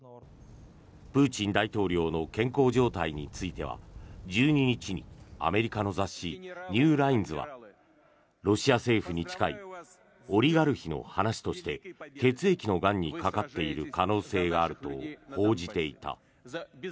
プーチン大統領の健康状態については１２日にアメリカの雑誌「ニューラインズ」はロシア政府に近いオリガルヒの話として血液のがんにかかっている可能性があると報じていた。